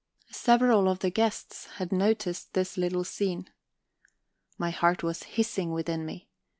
Several of the guests had noticed this little scene. My heart was hissing within me.